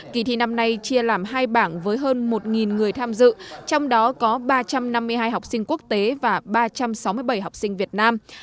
kỳ thi năm nay chia làm hai bảng với hơn một người tham dự trong đó có ba trăm năm mươi hai học sinh quốc tế và ba trăm sáu mươi bảy học sinh việt nam